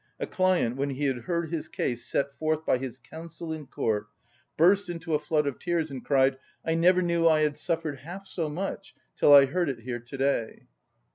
A client, when he had heard his case set forth by his counsel in court, burst into a flood of tears, and cried, "I never knew I had suffered half so much till I heard it here to‐day."